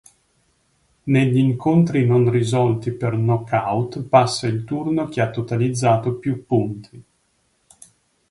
Negli incontri non risolti per knockout passa il turno chi ha totalizzato più punti.